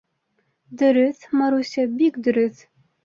— Дөрөҫ, Маруся, бик дөрөҫ.